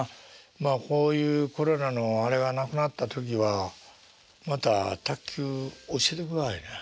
まあこういうコロナのあれがなくなった時はまた卓球教えてくださいね。